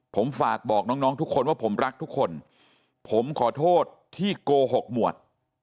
ผมฝากบอกน้องทุกคนว่าผมรักทุกคนผมขอโทษที่โกหกหมวด